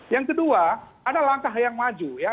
yang kedua ada langkah yang maju ya